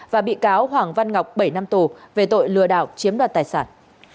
và bị cáo hoàng văn ngọc bảy năm tù về tội lừa đảo chiếm đoạt tài sản